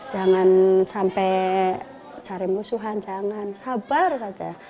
jangan sampai cari musuhan jangan sabar saja